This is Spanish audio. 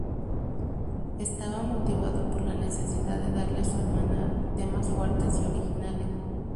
Estaba motivado por la necesidad de darle a su hermana temas fuertes y originales.